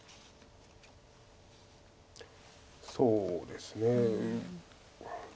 そうですね。